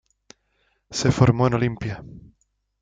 Se formó en Olimpia.